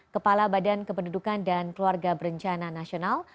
kepala badan kependudukan dan keluarga berencana nasional